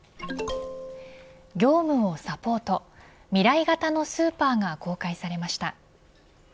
業務をサポート未来型のスーパーが公開されました。